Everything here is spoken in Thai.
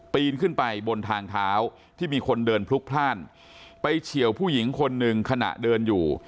นขึ้นไปบนทางเท้าที่มีคนเดินพลุกพลาดไปเฉียวผู้หญิงคนหนึ่งขณะเดินอยู่